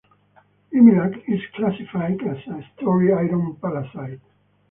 Imilac is classified as a stony-iron pallasite.